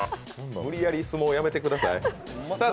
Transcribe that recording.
無理やり相撲、やめてください。